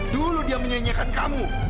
dulu dia menyanyikan kamu